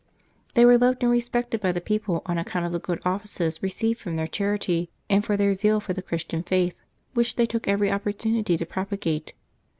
They were loved and respected by the people on account of the good offices received from their charity, and for their zeal for the Christian faith, which they took every opportunity to propagate.